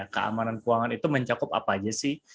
keamanan keuangan itu mencakup apa aja sih